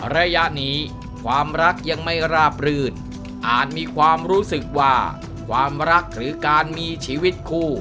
ระยะนี้ความรักยังไม่ราบรื่นอาจมีความรู้สึกว่าความรักหรือการมีชีวิตคู่